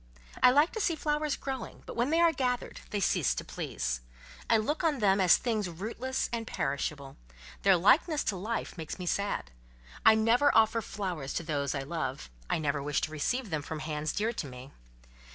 I like to see flowers growing, but when they are gathered, they cease to please. I look on them as things rootless and perishable; their likeness to life makes me sad. I never offer flowers to those I love; I never wish to receive them from hands dear to me.